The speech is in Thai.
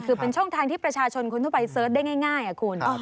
คือเป็นช่องทางที่ประชาชนคนทั่วไปเสิร์ชได้ง่ายคุณ